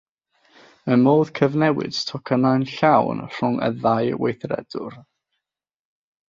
Mae modd cyfnewid tocynnau'n llawn rhwng y ddau weithredwr.